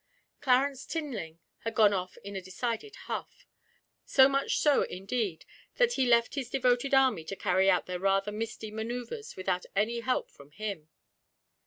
Clarence Tinling had gone off in a decided huff so much so indeed that he left his devoted army to carry out their rather misty manoeuvres without any help from him.